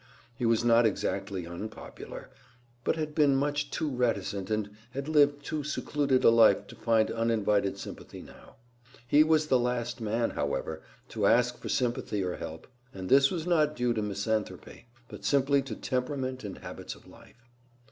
He was not exactly unpopular, but had been much too reticent and had lived too secluded a life to find uninvited sympathy now. He was the last man, however, to ask for sympathy or help; and this was not due to misanthropy, but simply to temperament and habits of life.